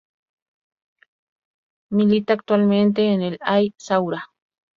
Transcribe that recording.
Milita actualmente en el Al-Zawraa.